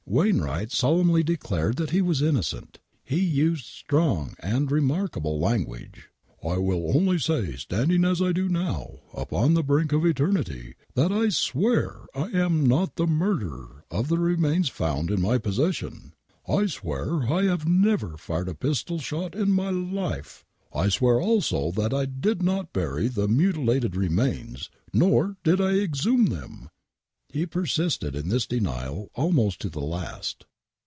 Wainwright solemly declared that he was innocent. He used strong and remarkable language. " I will only say, standing as I do now upon the brink of eternity, that I swear I am not the murderer of the remains found in my possession." " I swear I have never fired a pistol shot in my life." " I swear also that I did not bury the mutilated remains, nor did I exhume them." He persisted in this denial almost to the last.